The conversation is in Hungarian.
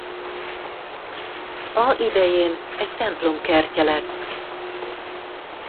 A idején egy templom kertje lett.